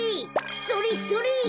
それそれ！